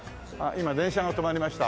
今電車が止まりました。